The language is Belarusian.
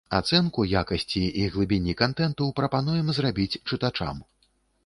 Ацэнку якасці і глыбіні кантэнту прапануем зрабіць чытачам.